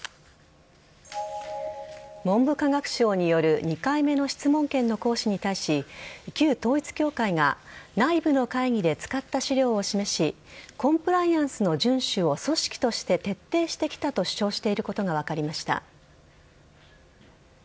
文部科学省による２回目の質問権の行使に対し旧統一教会が内部の会議で使った資料を示しコンプライアンスの順守を組織として徹底してきたと主張していることが分かりました。